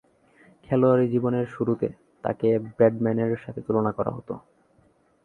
খেলোয়াড়ী জীবনের শুরুতে তাকে ব্র্যাডম্যানের সাথে তুলনা করা হতো।